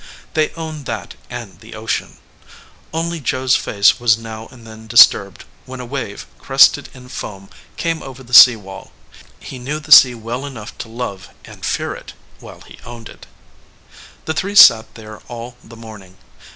They owned that and the ocean. Only Joe s face was now and then disturbed when a wave, crested in 146 THE OUTSIDE OF THE HOUSE foam, came over the sea wall. He knew the sea well enough to love and fear it, while he owned it. The three sat there all the morning.